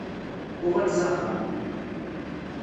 Uɣal s axxam.